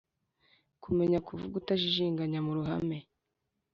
kumenya kuvuga utajijinganya mu ruhame